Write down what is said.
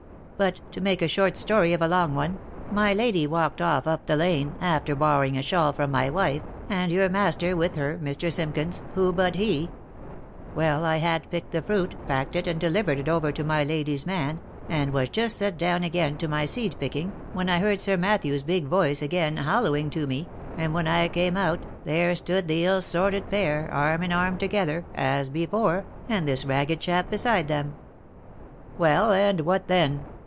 But, to make a short story of a long one, my lady walked off up the lane, after borrowing a shawl from my wife, and your master with her, Mr. Simkins, who but he — Well, I had picked the fruit, packed it, and delivered it over to my lady's man, and (was just set down again to my seed picking, when I heard Sir Matthew's big voice again halloaing to me, and when I came out, there stood the ill sorted pair, arm in arm together, as before, and this ragged chap beside them." " Well ! and what then?'